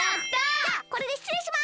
じゃこれでしつれいします！